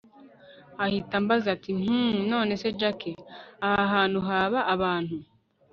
ahita ambaza ati hhhm! nonese jack! aha hantu haba abantu